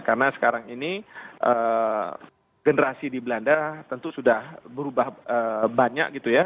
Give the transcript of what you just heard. karena sekarang ini generasi di belanda tentu sudah berubah banyak gitu ya